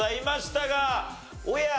おや？